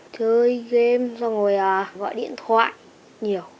chơi game xong rồi gọi điện thoại nhiều